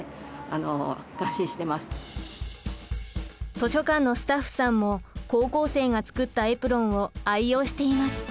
図書館のスタッフさんも高校生が作ったエプロンを愛用しています。